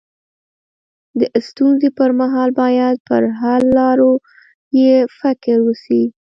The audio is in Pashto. د ستونزي پر مهال باید پر حل لارو يې فکر وسي.